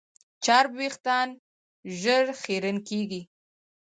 چرب وېښتيان ژر خیرن کېږي.